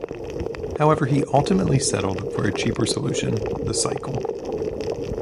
However, he ultimately settled for a cheaper solution, the cycle.